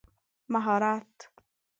مهارت